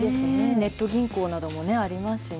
ネット銀行などもね、ありますしね。